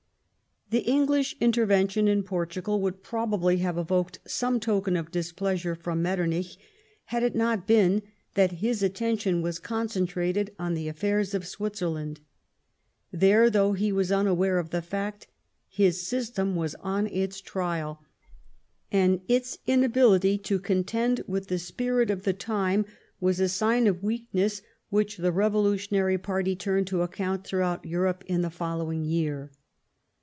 The English intervention in Portugal would probably have evoked some token of displeasure from Met temich, had it not been that his attention was con centrated on the affairs of Switzerland. There, though he was unaware of the fact, his system was on its trial, and its inability to contend with the spirit of the time was a sign of weakness which the revolutionary party turned to account throughout Europe in the following year.